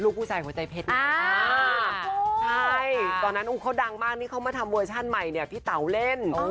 คือขึ้นมาเนี่ยไม่รู้เลยว่าเพลงอะไร